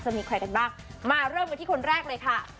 มีใครกันบ้างมาเริ่มกันที่คนแรกเลยค่ะ